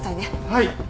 はい。